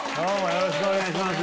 よろしくお願いします。